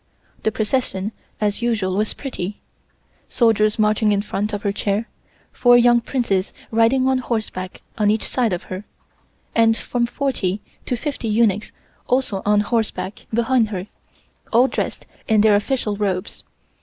The procession as usual was pretty, soldiers marching in front of her chair, four young Princes riding on horseback on each side of her, and from forty to fifty eunuchs also on horseback behind her, all dressed in their official robes.